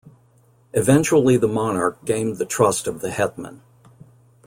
Eventually the monarch gained the trust of the Hetman.